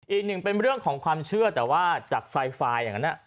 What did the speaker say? อีกหนึ่งเป็นเรื่องของความเชื่อแต่ว่าจากไซไฟล์อย่างนั้น